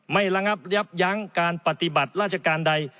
ระงับยับยั้งการปฏิบัติราชการใด